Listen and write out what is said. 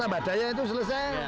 tambah daya itu selesai